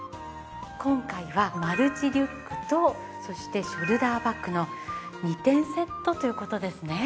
今回はマルチリュックとそしてショルダーバッグの２点セットという事ですね？